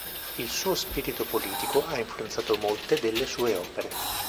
Il suo spirito politico ha influenzato molte delle sue opere.